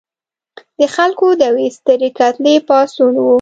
د خلکو د یوې سترې کتلې پاڅون و.